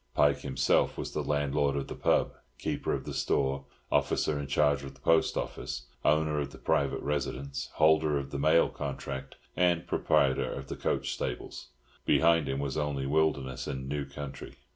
Pike himself was landlord of the "pub," keeper of the store, officer in charge of the post office, owner of the private residence, holder of the mail contract, and proprietor of the coach stables. Behind him was only wilderness and "new" country.